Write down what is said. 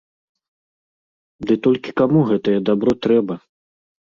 Ды толькі каму гэтае дабро трэба?